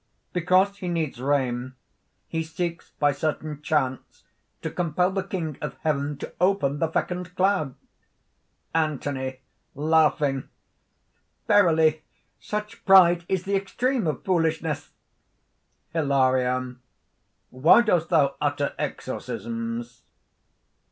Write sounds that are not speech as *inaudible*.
"Because he needs rain, he seeks by certain chants to compel the King of heaven to open the fecund cloud." ANTHONY. *laughs* "Verily, such pride is the extreme of foolishness!" HILARION. "Why dost thou utter exorcisms?"